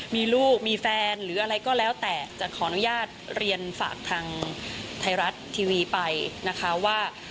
มีลูกมีแฟนหรืออะไรก็แล้วแต่จะขออนุญาตเรียนฝากทางไทยรัฐทีวีไปนะคะว่า